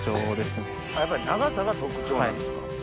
やっぱり長さが特徴なんですか。